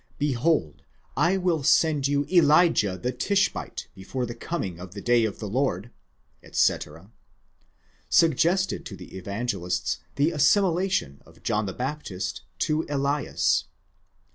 A.: Behold, [will send you Elijah the Tishbite before the coming of the day of the Lord, etc.) suggested to the Evangelists the assimilation of John the Baptist to Elias.